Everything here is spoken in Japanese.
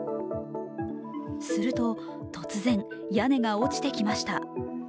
すると突然屋根が落ちてきました。